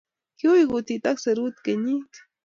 kiu kutit ak serut kenyit